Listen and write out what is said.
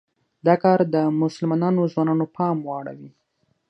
دا کار د مسلمانو ځوانانو پام واړوي.